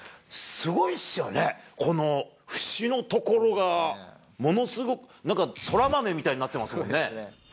すごいっすよね、この節の所が、ものすごくなんかそら豆みたいになってますもんね。